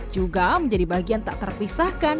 juga menjadi bagian tak terpisahkan